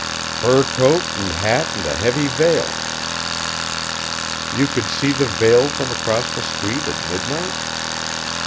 "Fur coat and hat and a heavy veil." "You could see the veil from across the street at midnight?"